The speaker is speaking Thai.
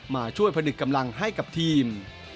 มาช่วยผนึกกำลังให้กับทีม